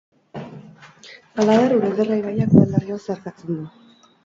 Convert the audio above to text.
Halaber, Urederra ibaiak udalerri hau zeharkatzen du.